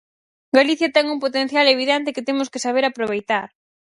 Galicia ten un potencial evidente que temos que saber aproveitar.